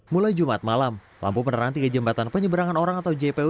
mulai jumat malam lampu penerang tiga jembatan penyeberangan orang atau jpu